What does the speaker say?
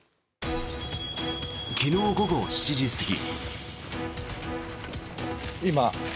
昨日午後７時過ぎ。